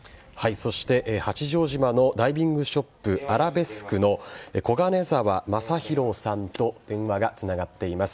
そして、八丈島のダイビングショップのコガネザワマサヒロさんと電話がつながっています。